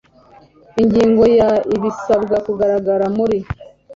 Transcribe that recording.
Ingingo ya Ibisabwa kugaragara muri